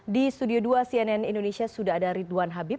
di studio dua cnn indonesia sudah ada ridwan habib